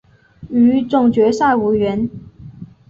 与总决赛无缘。